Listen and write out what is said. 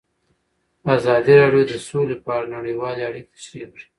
ازادي راډیو د سوله په اړه نړیوالې اړیکې تشریح کړي.